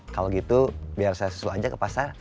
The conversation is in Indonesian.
kalau gitu biar saya susu aja ke pasar